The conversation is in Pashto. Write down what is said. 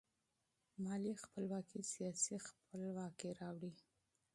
مالي خپلواکي سیاسي خپلواکي راوړي.